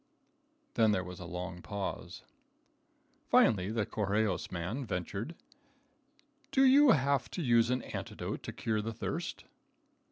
Then there was a long pause. Finally the Correjos man ventured: "Do you have to use an antidote to cure the thirst?"